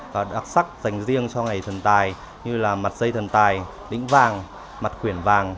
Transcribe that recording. đặc sắc dành riêng cho ngày thân tài như là mặt dây thân tài đĩnh vàng mặt quyển vàng